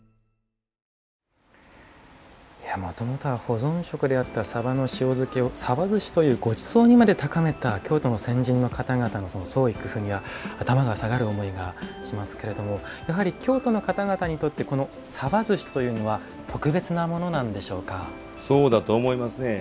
もともと、保存食であったさばの塩漬けをさばずしというごちそうにまで高めた、京都の先人の方々の創意工夫には頭が下がる思いがしますがやはり京都の方々にとってさばずしというのはそうだと思います。